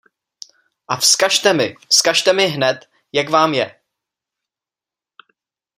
A vzkažte mi, vzkažte mi hned, jak vám je!